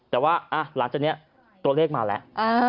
แต่ว่าหลังจากนี้ตัวเลขมาแล้ว